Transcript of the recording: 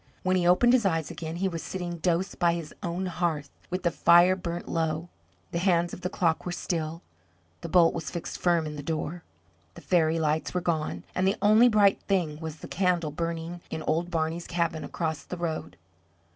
When he opened his eyes again, he was sitting dose by his own hearth, with the fire burnt low. The hands of the clock were still, the bolt was fixed firm in the door. The fairies' lights were gone, and the only bright thing was the candle burning in old Barney's cabin across the road.